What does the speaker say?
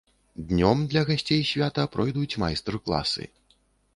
Днём для гасцей свята пройдуць майстар-класы.